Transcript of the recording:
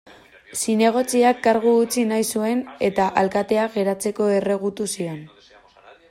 Zinegotziak kargu utzi nahi zuen eta alkateak geratzeko erregutu zion.